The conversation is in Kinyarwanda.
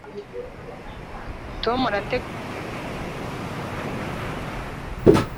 Tom arateganya kujya mu biruhuko mu cyumweru gitaha